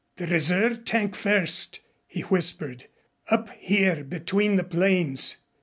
"The reserve tank first " he whispered. "Up here between the planes.